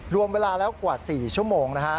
รวมเวลาแล้วกว่า๔ชั่วโมงนะฮะ